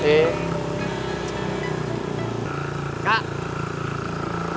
dia itu aja mampus sih